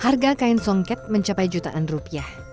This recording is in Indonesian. harga kain songket mencapai jutaan rupiah